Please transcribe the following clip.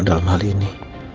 dalam hal ini